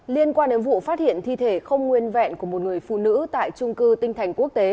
liên quan đến vụ phát hiện thi thể không nguyên vẹn của một người phụ nữ tại trung cư tinh thành quốc tế